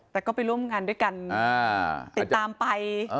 แต่ก็ไปร่วมงานด้วยกันติดตามไป